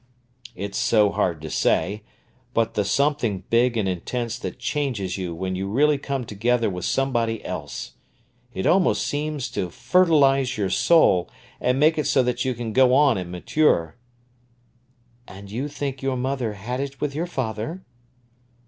"It's so hard to say, but the something big and intense that changes you when you really come together with somebody else. It almost seems to fertilise your soul and make it that you can go on and mature." "And you think your mother had it with your father?"